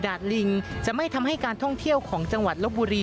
บริเวณหน้าสารพระการอำเภอเมืองจังหวัดลบบุรี